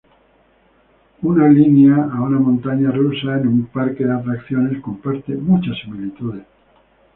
Una línea a una montaña rusa en un parque de atracciones comparte muchas similitudes.